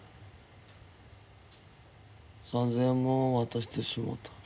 ３，０００円も渡してしもうた。